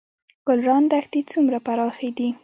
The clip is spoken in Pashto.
ګلران دښتې څومره پراخې دي؟